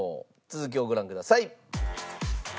続きをご覧ください。